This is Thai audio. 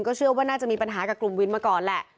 เชื่อว่าน่าจะมีปัญหากับกลุ่มวินมาก่อนแหละ